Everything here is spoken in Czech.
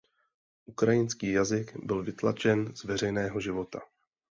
Ukrajinský jazyk byl vytlačen z veřejného života.